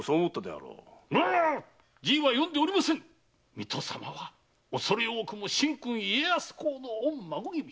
水戸様はおそれ多くも神君・家康公の御孫君。